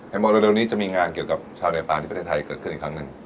โมเร็วนี้จะมีงานเกี่ยวกับชาวเนปานที่ประเทศไทยเกิดขึ้นอีกครั้งหนึ่ง